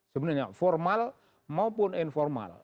sebenarnya formal maupun informal